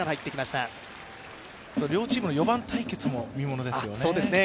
両チームの４番対決も見物ですよね。